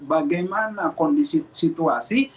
bagaimana kondisi situasi